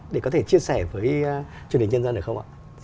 để có thể chia sẻ với truyền hình nhân dân được không ạ